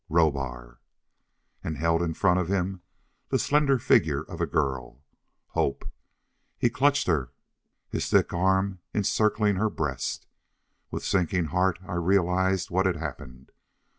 Rohbar! And held in front of him the slender figure of a girl. Hope! He clutched her, his thick arm encircling her breast. With sinking heart I realized what had happened.